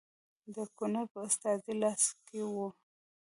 د ګورنر په استازي لاس کې وه.